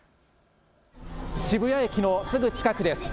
渋谷駅のすぐ近くです。